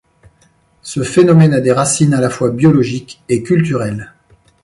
Ce phénomène a des racines à la fois biologiques et culturelles.